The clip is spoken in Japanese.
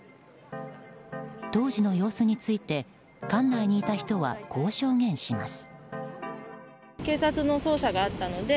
当時の様子について館内にいた人はこう証言します。